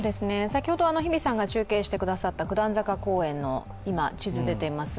先ほど日比さんが中継してくださった、九段坂公園の今、地図が出ています。